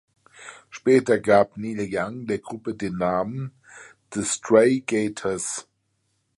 Später gab Neil Young der Gruppe den Namen "The Stray Gators".